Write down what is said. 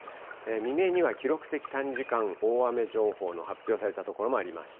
未明には記録的短時間大雨情報の発表された所もありました。